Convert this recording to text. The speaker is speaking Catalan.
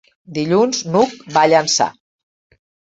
Dilluns n'Hug va a Llançà.